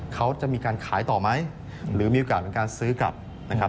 เขาจะมีการขายต่อไหมหรือมีโอกาสในการซื้อกลับนะครับ